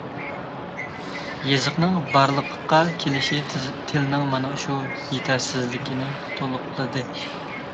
يېزىقنىڭ بارلىققا كېلىشى تىلنىڭ مانا شۇ يېتەرسىزلىكىنى تولۇقلىدى.